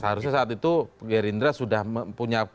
seharusnya saat itu gerinda sudah mempunyai